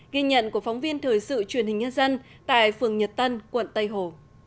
ghi nhận của phóng viên thời sự truyền hình nhân dân tại phường nhật tân quận tây hồ